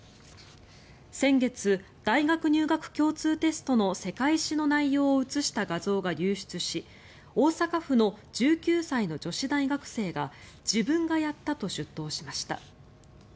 先月、大学入学共通テストの世界史の内容を写した画像が流出し大阪府の１９歳の女子大学生が自分がやったと出頭しました。